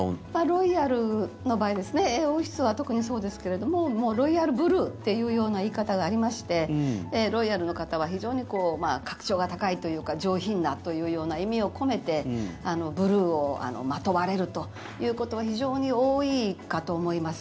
ロイヤルの場合王室は特にそうですけれどもロイヤルブルーっていうような言い方がありましてロイヤルの方は非常に格調が高いというか上品だというような意味を込めてブルーをまとわれるということが非常に多いかと思います。